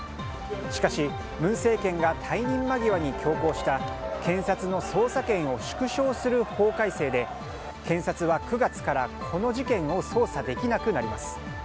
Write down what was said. しかし、文政権が退任間際に強行した検察の捜査権を縮小する法改正で検察は９月からこの事件を捜査できなくなります。